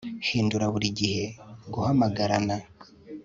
Hindura buri gihe guhamagarana